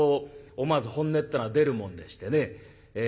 思わず本音ってのは出るもんでしてね。